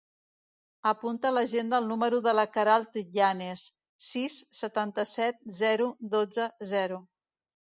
Apunta a l'agenda el número de la Queralt Yanes: sis, setanta-set, zero, dotze, zero.